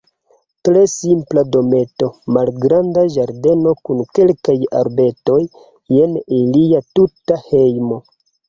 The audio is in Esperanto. Tre simpla dometo, malgranda ĝardeno kun kelkaj arbetoj, jen ilia tuta hejmo.